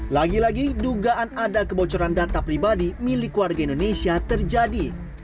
lagi lagi dugaan ada kebocoran data pribadi milik warga indonesia terjadi